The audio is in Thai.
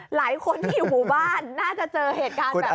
หลายคนที่อยู่หมู่บ้านน่าจะเจอเหตุการณ์แบบนี้